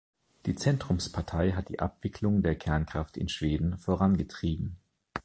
Die Zentrumspartei hat die Abwicklung der Kernkraft in Schweden vorangetrieben.